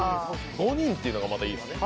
５人っていうのがまたいいですね。